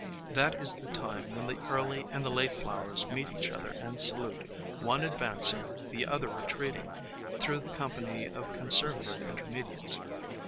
That is the time when the early and the late flowers meet each other and salute, one advancing, the other retreating, through the company of con servative intermediates.